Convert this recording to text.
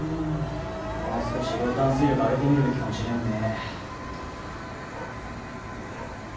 もう少しローターの推力上げてみるべきかもしれんね。